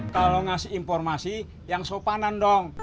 kalau ngasih informasi yang sopanan dong